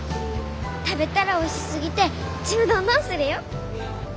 食べたらおいしすぎてちむどんどんするよ！